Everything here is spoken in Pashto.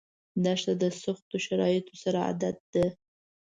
دښته د سختو شرایطو سره عادت ده.